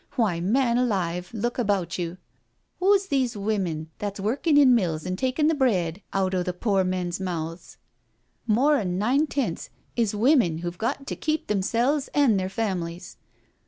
Why, man alive, look about you I Wo's these women that's workin' in mills an' takin' the bread out o' the pore men's mouths? More'n nine tenths is women who've got to keep themsels an* their f am 'lies.